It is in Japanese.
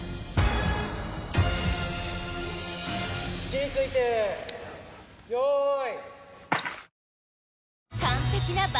位置について用意。